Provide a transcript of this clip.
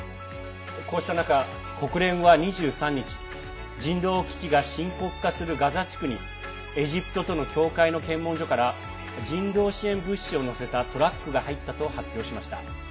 こうした中、国連は２３日人道危機が深刻化するガザ地区にエジプトとの境界の検問所から人道支援物資を載せたトラックが入ったと発表しました。